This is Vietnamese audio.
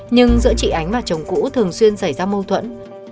nhưng giữa chị ánh và chồng cũ thường xuyên xảy ra mâu thuẫn